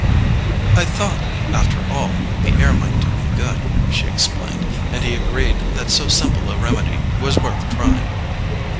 "I thought, after all, the air might do me good," she explained; and he agreed that so simple a remedy was worth trying.